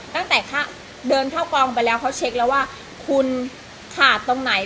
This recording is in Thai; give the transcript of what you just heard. ตั้งแต่เดินเข้ากองไปแล้วเขาเช็คแล้วว่าคุณขาดตรงไหน